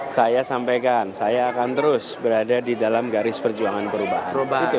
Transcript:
saya sampaikan saya akan terus berada di dalam garis perjuangan perubahan